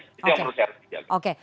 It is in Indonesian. itu yang harus saya jaga